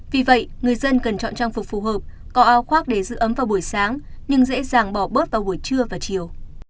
vì vậy người dân cần chọn trang phục phù hợp có ao khoác để giữ ấm vào buổi sáng nhưng dễ dàng bỏ bớt vào buổi trưa và chiều